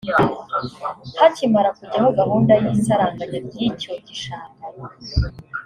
Hakimara kujyaho gahunda y’isaranganya ry’icyo gishanga